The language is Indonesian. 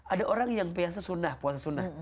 ada orang yang biasa sunnah puasa sunnah